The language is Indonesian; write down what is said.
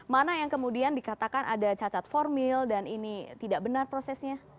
mana yang kemudian dikatakan ada cacat formil dan ini tidak benar prosesnya